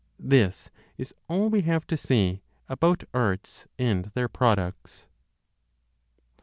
This is all we have to say about arts and their products.